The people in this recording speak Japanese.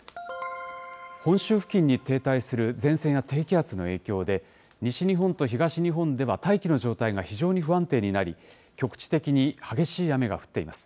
本州付近に停滞する前線や低気圧の影響で、西日本と東日本では大気の状態が非常に不安定になり、局地的に激しい雨が降っています。